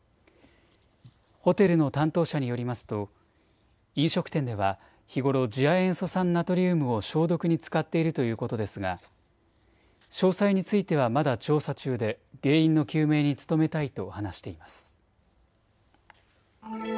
ホテルの担当者によりますと飲食店では日頃次亜塩素酸ナトリウムを消毒に使っているということですが詳細についてはまだ調査中で原因の究明に努めたいと話しています。